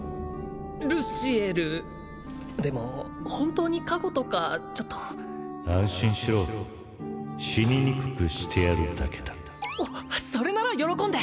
ルシエルでも本当に加護とかちょっと安心しろ死ににくくしてやるだけだそれなら喜んで！